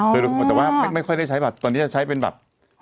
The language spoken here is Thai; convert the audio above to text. แต่ว่าไม่ค่อยได้ใช้บัตรตอนนี้จะใช้เป็นแบบ